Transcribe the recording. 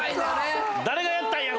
誰がやったんや？